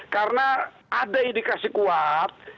karena ada indikasi kuat